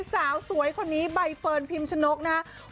สาวสวยคนนี้ใบเฟิร์นพิมชนกนะครับ